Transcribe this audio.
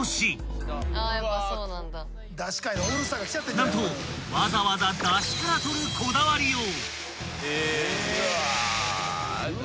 ［何とわざわざだしから取るこだわりよう］